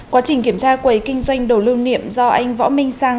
quá trình kiểm tra quầy kinh doanh đồ lưu niệm do anh võ minh sang